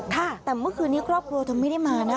ค่ะแต่เมื่อคืนนี้ครอบครัวเธอไม่ได้มานะคะ